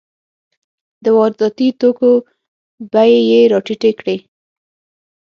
د وارداتي توکو بیې یې راټیټې کړې.